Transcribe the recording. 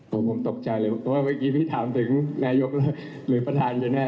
ผมตกใจเลยเพราะว่าเมื่อกี้พี่ถามถึงนายกแล้วหรือประธานอยู่แน่